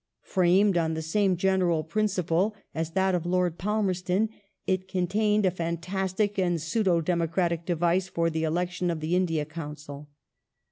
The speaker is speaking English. Framed on the same general principle as that of Lord Palmerston, it contained a fantastic and pseudo democratic device for the election of the India Council.